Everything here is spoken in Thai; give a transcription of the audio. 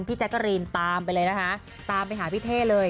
พี่แจทไลน์ตามไปเลยนะคะตามไปหาพิเทศเลย